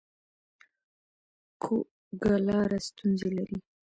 کوږه لار ستونزې لري